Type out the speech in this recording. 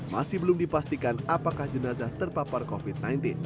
masih belum dipastikan apakah jenazah terpapar covid sembilan belas